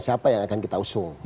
siapa yang akan kita usung